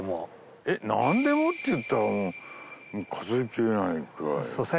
なんでもって言ったらもう数えきれないくらい。